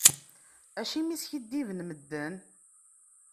Acimi i skiddiben medden?